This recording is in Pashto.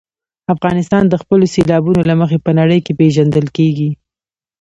افغانستان د خپلو سیلابونو له مخې په نړۍ کې پېژندل کېږي.